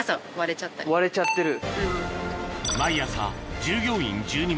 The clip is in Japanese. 割れちゃってる。